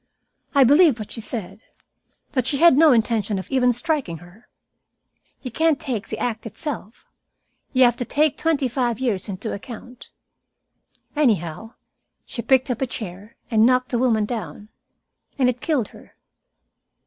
I believe what she said that she had no intention even of striking her. You can't take the act itself. You have to take twenty five years into account. Anyhow, she picked up a chair and knocked the woman down. And it killed her."